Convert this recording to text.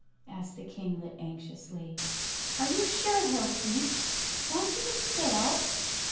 asked the kinglet, anxiously. "Are you sure he'll keep? Won't he get stale?"